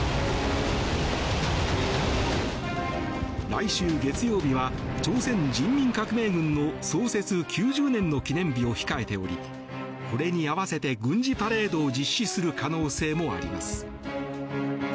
来週月曜日は朝鮮人民革命軍の創設９０年の記念日を控えておりこれに合わせて軍事パレードを実施する可能性もあります。